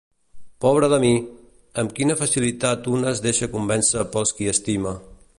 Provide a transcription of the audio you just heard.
Pobra de mi! Amb quina facilitat una es deixa convèncer pels qui estima!